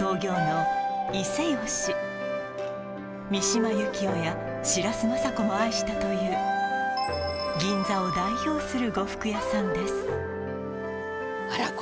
三島由紀夫や白洲正子も愛したという銀座を代表する呉服屋さんです